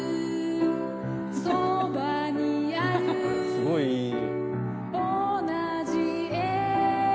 すごいいい。